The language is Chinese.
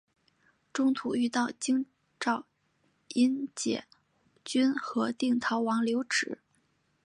中途遇到京兆尹解恽和定陶王刘祉。